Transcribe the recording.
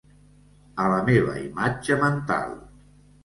A la meva imatge mental